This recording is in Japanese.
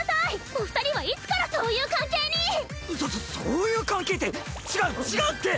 お二人はいつからそういう関係に⁉そそそういう関係って違う違うって！